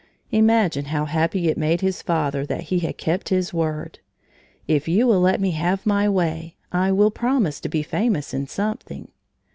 Imagine how happy it made his father that he had kept his word: "If you will let me have my way, I will promise to be famous in something."